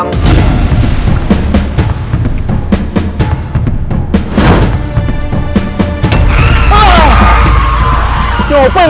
nggak lo aja nggak paham